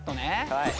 はい。